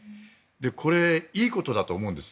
これ、いいことだと思うんです。